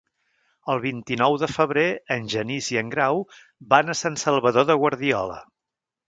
El vint-i-nou de febrer en Genís i en Grau van a Sant Salvador de Guardiola.